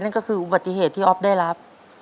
นั่นก็คืออุบัติเหตุที่ออฟได้รับ